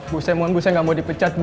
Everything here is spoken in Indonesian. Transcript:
bu saya mohon bu saya nggak mau dipecat bu